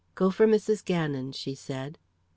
"Go for Mrs. Gannon," she said. Mrs.